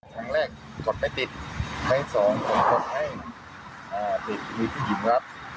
ทั้งแรกกดไม่ติดให้สองคนกดให้อ่าติดมีที่หยิบรับ